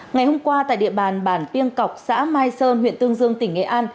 ngày hôm qua tại địa bàn bản piêng cọc xã mai sơn huyện tương dương tỉnh nghệ an